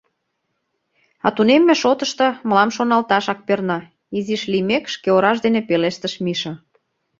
— А тунемме шотышто мылам шоналташак перна, — изиш лиймек, шке ораж дене пелештыш Миша.